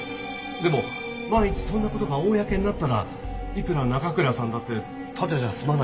でも万一そんな事が公になったらいくら奈可倉さんだってただじゃ済まないっていうか。